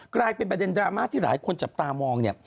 กลายเป็นประเด็นดราม่าที่หลายคนจับตามองเนี่ย